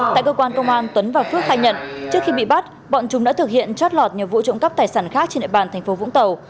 tại cơ quan công an tuấn và phước khai nhận trước khi bị bắt bọn chúng đã thực hiện trót lọt nhiều vụ trộm cắp tài sản khác trên địa bàn thành phố vũng tàu